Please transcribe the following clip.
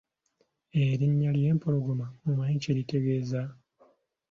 Erinnya ly’empologoma omanyi kye litegeeza?